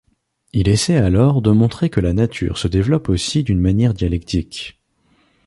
Il essaie alors de montrer que la nature se développe aussi d'une manière dialectique.